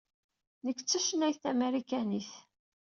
Nekk d tacennayt tamarikanit.